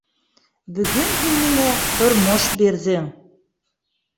— Бөгөн һин миңә тормош бирҙең.